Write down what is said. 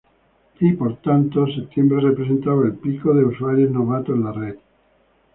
Y por tanto septiembre representaba el pico de usuarios novatos en la red.